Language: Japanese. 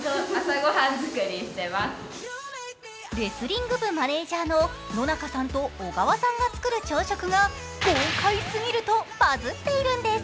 レスリング部マネージャーの野中さんと、小川さんが作る朝食が豪快すぎるとバズっているんです。